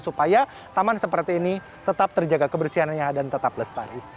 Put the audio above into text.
supaya taman seperti ini tetap terjaga kebersihannya dan tetap lestari